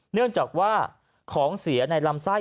เนื่องจากว่าของเสียในลำไส้